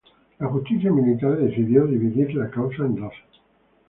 La justicia militar decidió dividir la causa en dos.